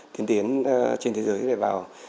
tiến tiến trên thế giới để vào